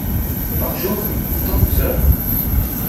Par jour ! tant que cela ?